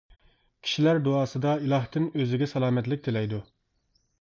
كىشىلەر دۇئاسىدا ئىلاھتىن ئۆزىگە سالامەتلىك تىلەيدۇ.